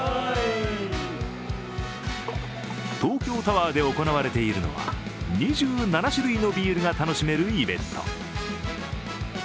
東京タワーで行われているのは２７種類のビールが楽しめるイベント。